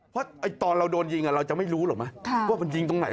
เพราะตอนเราโดนยิงมันจะไม่รู้หรอกมั้ย